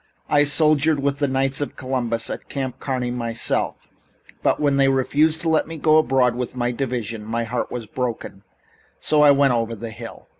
I soldiered with the Knights of Columbus at Camp Kearny myself, but when they refused to let me go abroad with my division my heart was broken, so I went over the hill."